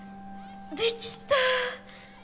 できた！